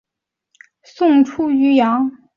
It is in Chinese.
宋初蓟州渔阳人。